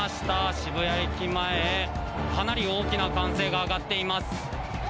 渋谷駅前かなり大きな歓声が上がっています。